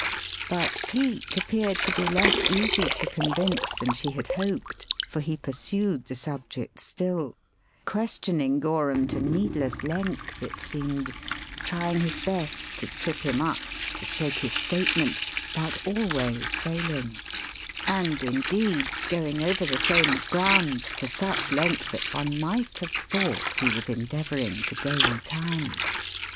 But Cleek appeared to be less easy to convince than she had hoped, for he pursued the subject still; questioning Gorham to needless length it seemed; trying his best to trip him up, to shake his statement, but always failing; and, indeed, going over the same ground to such length that one might have thought he was endeavouring to gain time.